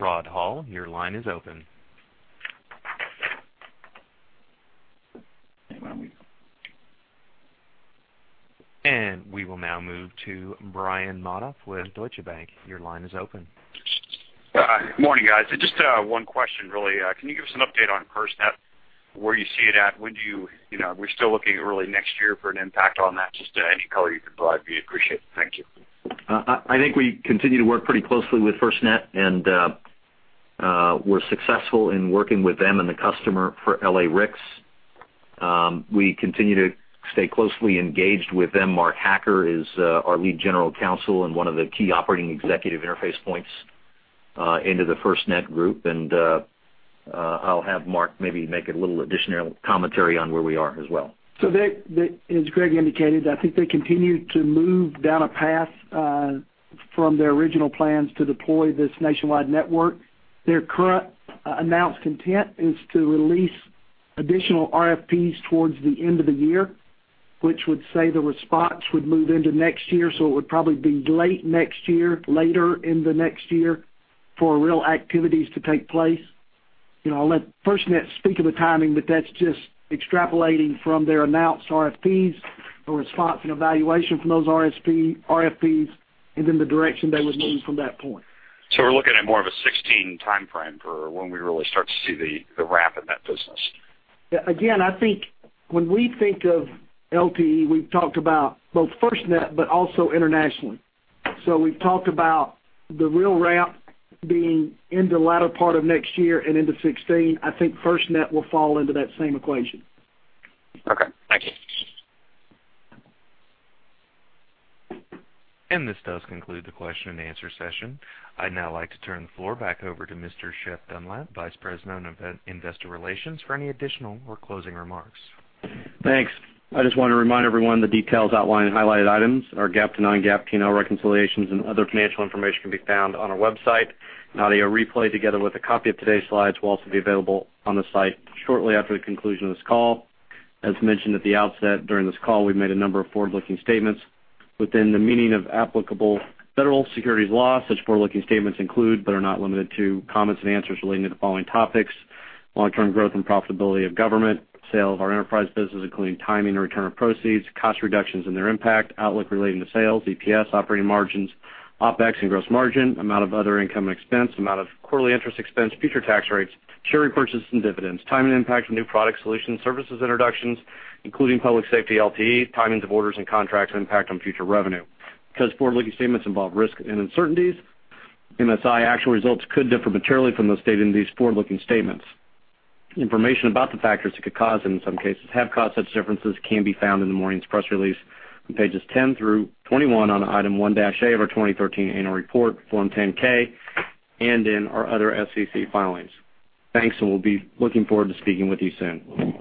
Rod Hall, your line is open. We will now move to Brian Modoff with Deutsche Bank. Your line is open. Good morning, guys. Just one question, really. Can you give us an update on FirstNet? Where you see it at, would you, you know, we're still looking early next year for an impact on that. Just any color you can provide, we appreciate it. Thank you. I think we continue to work pretty closely with FirstNet, and we're successful in working with them and the customer for LA-RICS. We continue to stay closely engaged with them. Mark Hacker is our lead general counsel and one of the key operating executive interface points into the FirstNet group. I'll have Mark maybe make a little additional commentary on where we are as well. So, as Greg indicated, I think they continue to move down a path from their original plans to deploy this nationwide network. Their current announced content is to release additional RFPs towards the end of the year, which would say the response would move into next year, so it would probably be late next year, later in the next year, for real activities to take place. You know, I'll let FirstNet speak of the timing, but that's just extrapolating from their announced RFPs, the response and evaluation from those RFPs, and then the direction they would move from that point. We're looking at more of a 2016 timeframe for when we really start to see the wrap in that business. Yeah. Again, I think when we think of LTE, we've talked about both FirstNet, but also internationally. So we've talked about the real ramp being in the latter part of next year and into 2016. I think FirstNet will fall into that same equation. Okay. Thank you. This does conclude the question-and-answer session. I'd now like to turn the floor back over to Mr. Shep Dunlap, Vice President of Investor Relations, for any additional or closing remarks. Thanks. I just want to remind everyone the details outlined in highlighted items, our GAAP to non-GAAP P&L reconciliations and other financial information can be found on our website. The audio replay, together with a copy of today's slides, will also be available on the site shortly after the conclusion of this call. As mentioned at the outset, during this call, we've made a number of forward-looking statements within the meaning of applicable federal securities law. Such forward-looking statements include, but are not limited to, comments and answers relating to the following topics: long-term growth and profitability of Government, sale of our Enterprise business, including timing and return of proceeds, cost reductions and their impact, outlook relating to sales, EPS, operating margins, OpEx and gross margin, amount of other income and expense, amount of quarterly interest expense, future tax rates, share repurchases and dividends, timing and impact of new product solutions, services introductions, including Public Safety LTE, timings of orders and contracts, and impact on future revenue Because forward-looking statements involve risk and uncertainties, MSI actual results could differ materially from those stated in these forward-looking statements. Information about the factors that could cause, in some cases, have caused such differences can be found in the morning's press release on pages 10 through 21 on Item 1A of our 2013 annual report, Form 10-K, and in our other SEC filings. Thanks, and we'll be looking forward to speaking with you soon.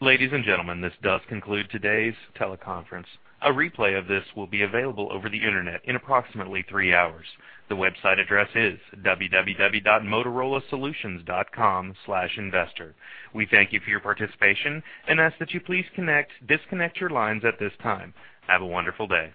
Ladies and gentlemen, this does conclude today's teleconference. A replay of this will be available over the Internet in approximately three hours. The website address is www.motorolasolutions.com/investor. We thank you for your participation and ask that you please disconnect your lines at this time. Have a wonderful day.